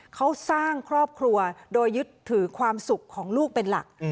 เขาสร้างครอบครัวโดยยึดถือความสุขของลูกเป็นหลัก